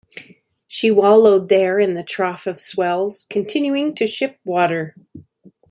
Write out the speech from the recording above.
She wallowed there in the trough of the swells, continuing to ship water.